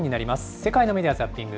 世界のメディア・ザッピング。